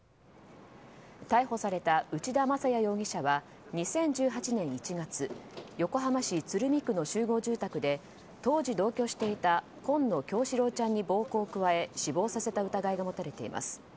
逮捕された内田正也容疑者は２０１８年１月横浜市鶴見区の集合住宅で当時同居していた紺野叶志郎ちゃんに暴行を加え死亡させた疑いが持たれています。